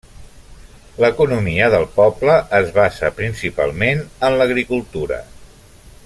L'economia del poble es basa principalment en l'agricultura.